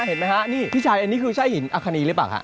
เห็นไหมฮะนี่พี่ชายอันนี้คือใช่หินอคณีหรือเปล่าฮะ